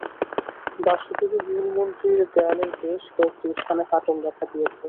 বাসুদেবের মূল মন্দিরের দেয়ালের বেশ কয়েকটি স্থানে ফাটল দেখা দিয়েছে।